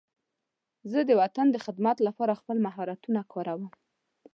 زه د وطن د خدمت لپاره خپل مهارتونه کاروم.